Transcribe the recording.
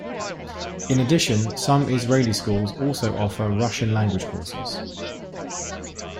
In addition, some Israeli schools also offer Russian language courses.